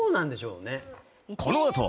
［この後］